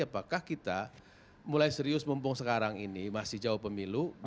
apakah kita mulai serius mumpung sekarang ini masih jauh pemilu